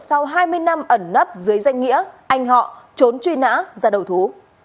sau hai mươi năm ẩn nấp dưới danh nghĩa anh họ trốn truy nã ra đầu thú